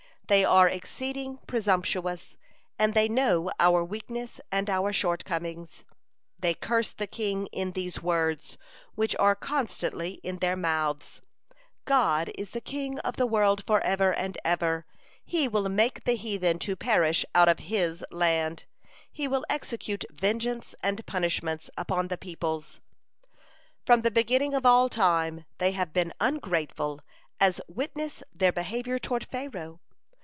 They are exceeding presumptuous, and they know our weakness and our shortcomings. They curse the king in these words, which are constantly in their mouths: "God is the King of the world forever and ever: He will make the heathen to perish out of His land: He will execute vengeance and punishments upon the peoples." From the beginning of all time they have been ungrateful, as witness their behavior toward Pharaoh.